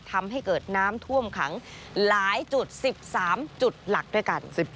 ทำให้เกิดน้ำท่วมขังหลายจุด๑๓จุดหลักด้วยกัน